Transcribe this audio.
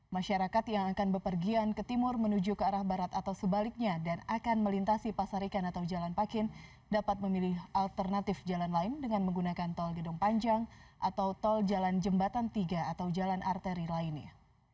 masyarakat yang akan bepergian ke timur menuju ke arah barat atau sebaliknya dan akan melintasi pasar ikan atau jalan pakin dapat memilih alternatif jalan lain dengan menggunakan tol gedong panjang atau tol jalan jembatan tiga atau jalan arteri lainnya